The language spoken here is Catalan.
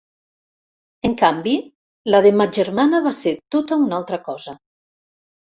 En canvi, la de ma germana va ser tota una altra cosa.